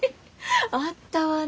あったわね